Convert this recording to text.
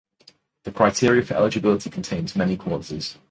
The criteria for eligibility contains many clauses.